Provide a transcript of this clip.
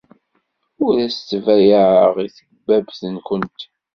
Ur as-ttbayaɛeɣ i tekbabt-nwent.